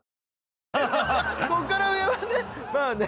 こっから上はねまあね